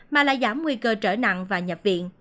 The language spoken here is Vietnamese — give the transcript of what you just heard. mà là giảm nguy cơ trở nặng và nhập viện